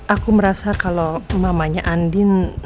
aku merasa kalau mamanya andin